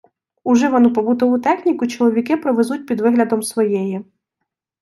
Уживану побутову техніку чоловіки провезуть під виглядом своєї.